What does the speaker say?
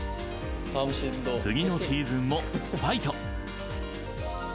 次のシーズンもファイト！